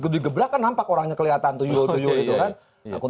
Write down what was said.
digebrak kan nampak orangnya kelihatan tuyul tuyul gitu kan